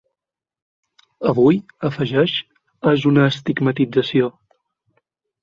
Avui –afegeix– és una estigmatització.